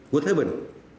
của thái bình